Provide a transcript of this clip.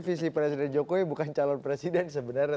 visi presiden jokowi bukan calon presiden sebenarnya